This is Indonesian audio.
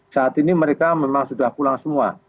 saat ini mereka memang sudah pulang semua